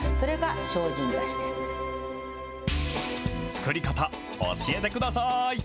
作り方、教えてください。